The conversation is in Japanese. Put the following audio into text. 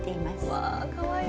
うわかわいい。